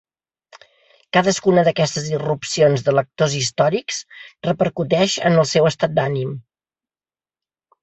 Cadascuna d'aquestes irrupcions de lectors històrics repercuteix en el seu estat d'ànim.